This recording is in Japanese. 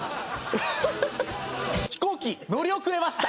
飛行機乗り遅れました。